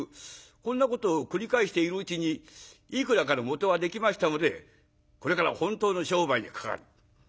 こんなことを繰り返しているうちにいくらかの元ができましたのでこれから本当の商売にかかる。